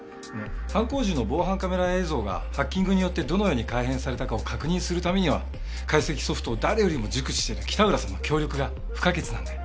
犯行時の防犯カメラ映像がハッキングによってどのように改変されたかを確認するためには解析ソフトを誰よりも熟知している北浦さんの協力が不可欠なんで。